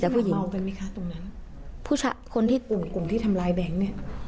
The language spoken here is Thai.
กุ่มที่ทำร้ายแบงค์เนี่ย